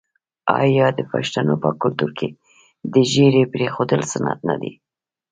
آیا د پښتنو په کلتور کې د ږیرې پریښودل سنت نه دي؟